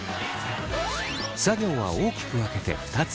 作業は大きく分けて２つ。